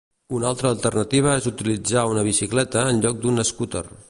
Una altra alternativa és utilitzar una bicicleta en lloc d'una escúter.